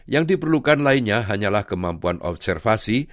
yang diperlukan lainnya hanyalah kemampuan observasi